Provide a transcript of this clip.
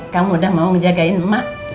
kamu udah mau ngejagain emak